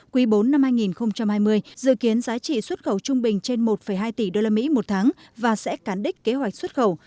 quý bốn năm hai nghìn hai mươi dự kiến giá trị xuất khẩu trung bình trên một hai tỷ usd một tháng và sẽ cán đích kế hoạch xuất khẩu